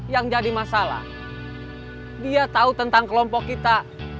yang jadi masalah dia tahu tentang kelompok kita